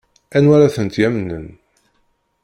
Anwa ara tent-yamnen?